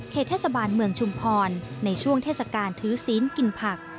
เทศบาลเมืองชุมพรในช่วงเทศกาลถือศีลกินผัก